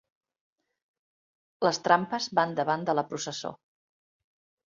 Les trampes van davant de la processó.